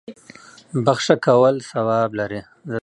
بخښه کول ثواب لري.